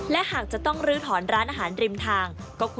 และหากจะต้องลื้อถอนร้านอาหารริมทาง